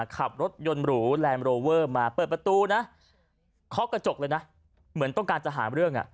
ขับรถยนต์หรูมาเปิดประตูน่ะคลอกกระจกเลยน่ะเหมือนต้องการจะหารเรื่องอ่ะ